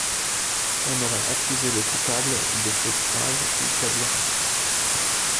On aurait accusé le coupable de faute grave ou Kabira.